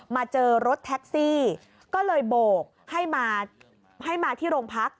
มาเจอรถแท็กซี่ก็เลยโบกให้มาให้มาที่โรงพัก